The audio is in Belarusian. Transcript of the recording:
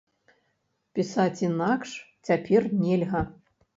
Пісаць інакш цяпер нельга.